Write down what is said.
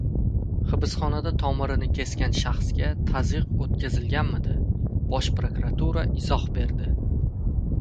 Hibsxonada tomirini kesgan shaxsga tazyiq o‘tkazilganmidi? Bosh prokuratura izoh berdi